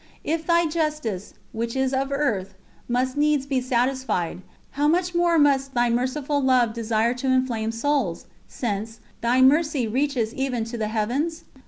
"If Thy Justice which is of earth must needs be satisfied, how much more must Thy Merciful Love desire to inflame souls, since "Thy mercy reacheth even to the Heavens"?